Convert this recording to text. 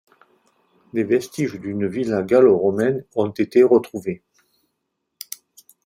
Des vestiges d'une villa gallo-romaine ont été retrouvés.